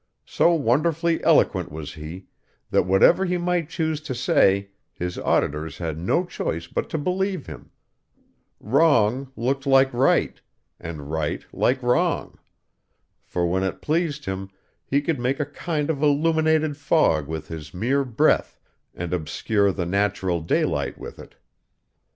So wonderfully eloquent was he, that whatever he might choose to say, his auditors had no choice but to believe him; wrong looked like right, and right like wrong; for when it pleased him, he could make a kind of illuminated fog with his mere breath, and obscure the natural daylight with it.